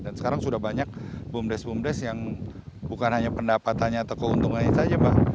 dan sekarang sudah banyak bumdes bumdes yang bukan hanya pendapatannya atau keuntungannya saja